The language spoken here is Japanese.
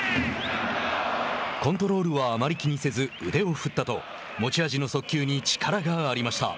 コントロールはあまり気にせず腕を振ったと持ち味の速球に力がありました。